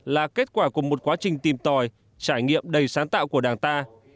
là kết quả của một quá trình tìm tòi trải nghiệm đầy sáng tạo của đảng ta